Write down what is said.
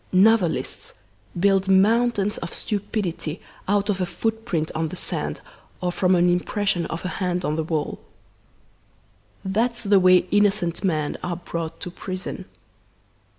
Novelists build mountains of stupidity out of a footprint on the sand, or from an impression of a hand on the wall. That's the way innocent men are brought to prison.